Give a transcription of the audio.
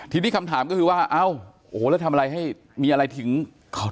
ทีนี้คำถามก็คือว่าเอ้าโอ้โหแล้วทำอะไรให้มีอะไรถึงเขา